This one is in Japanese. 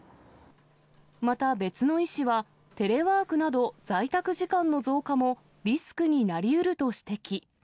また別の医師は、テレワークなど、在宅時間の増加も、リスクになりうると指摘。